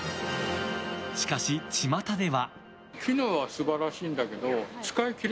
しかし、ちまたでは。